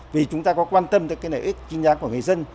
vì chúng ta có quan tâm tới nợ ích chính đáng của người dân